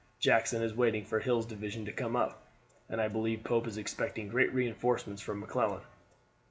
Jackson is waiting for Hill's division to come up, and I believe Pope is expecting great reinforcements from McClellan."